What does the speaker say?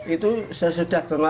itu sesudah bengawan